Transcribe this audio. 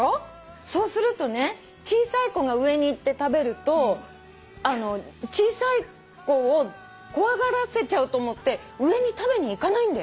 そうするとね小さい子が上に行って食べると小さい子を怖がらせちゃうと思って上に食べに行かないんだよ。